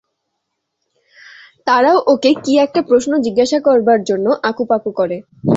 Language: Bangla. তারাও ওকে কী একটা প্রশ্ন জিজ্ঞাসা করবার জন্য আঁকুপাঁকু করে।